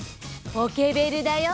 ポケベルだよ。